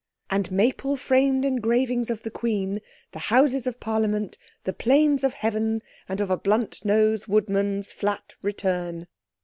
"And maple framed engravings of the Queen, The Houses of Parliament, the Plains of Heaven, And of a blunt nosed woodman's flat return."